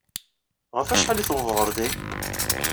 Ɣef wacḥal ay tuwḍeḍ ɣer din?